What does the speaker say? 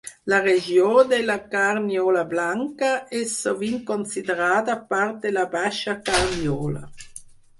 La regió de la Carniola Blanca és sovint considerada part de la Baixa Carniola.